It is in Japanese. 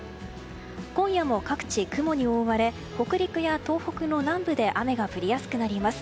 今夜も各地雲に覆われ北陸や東北の南部で雨が降りやすくなります。